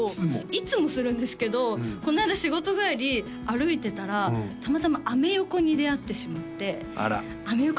いつもするんですけどこの間仕事帰り歩いてたらたまたまアメ横に出合ってしまってアメ横